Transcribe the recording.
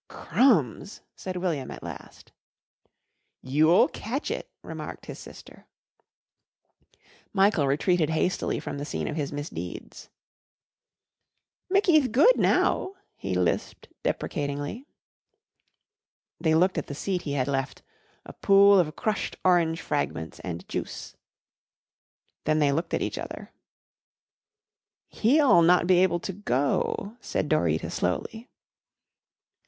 "Crumbs!" said William at last. "You'll catch it," remarked his sister. Michael retreated hastily from the scene of his misdeeds. "Mickyth good now," he lisped deprecatingly. They looked at the seat he had left a pool of crushed orange fragments and juice. Then they looked at each other. "He'll not be able to go," said Dorita slowly.